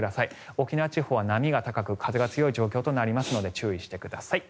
沖縄地方は波が高く風が強い状況となるので注意してください。